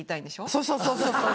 そうそうそうそう。